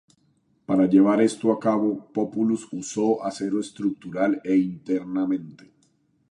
Para llevar esto a cabo, Populus usó acero estructural e internamente.